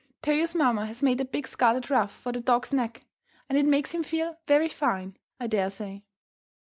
Toyo's mamma has made a big scarlet ruff for the dog's neck, and it makes him feel very fine, I dare say.